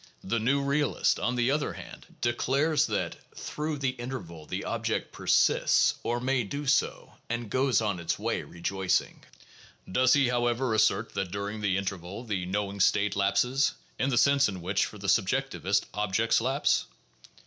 The new realist, on the other hand, declares that through the interval the object persists (or may do so) and goes on its way rejoicing. Does he, however, assert that during the inter val "the knowing state" lapses, in the sense in which for the sub jectivist objects lapse!